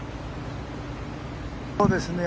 そうですね。